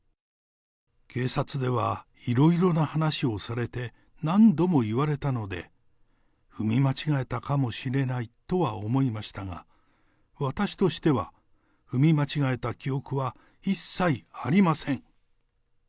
警察ではいろいろな話をされて何度も言われたので、踏み間違えたかもしれないとは思いましたが、私としては、踏み間違えた記憶は一切ありません。